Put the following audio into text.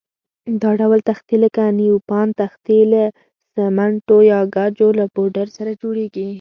دا ډول تختې لکه نیوپان تختې له سمنټو یا ګچو له پوډر سره جوړېږي.